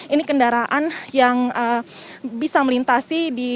ini kendaraan yang bisa melintasi